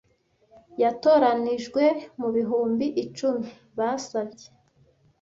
Yatoranijwe mubihumbi icumi basabye.